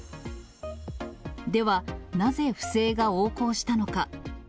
では、なぜ不正が横行したのか。